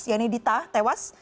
yang ini dita tewas